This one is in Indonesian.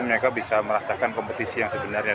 mereka bisa merasakan kompetisi yang sebenarnya